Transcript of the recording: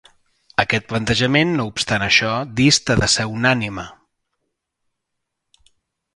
Aquest plantejament no obstant això, dista de ser unànime.